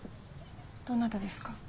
どなたですか？